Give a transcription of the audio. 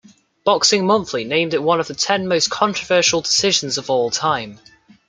"Boxing Monthly" named it one of the ten most controversial decisions of all time.